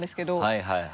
はいはい。